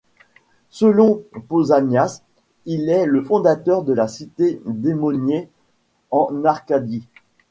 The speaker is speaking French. Selon Pausanias, il est le fondateur de la cité d'Hémoniées en Arcadie.